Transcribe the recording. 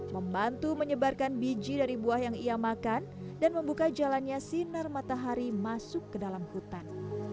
membantu menyebarkan biji dari buah yang ia makan dan membuka jalannya sinar matahari masuk ke dalam hutan